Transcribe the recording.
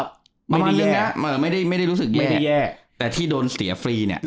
ประมาณนึงแหละไม่ได้รู้สึกแย่แต่ที่โดนเสียฟรีเนี่ย